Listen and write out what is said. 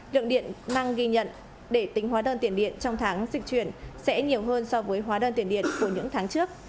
lượng điện năng ghi nhận để tính hóa đơn tiền điện trong tháng dịch chuyển sẽ nhiều hơn so với hóa đơn tiền điện của những tháng trước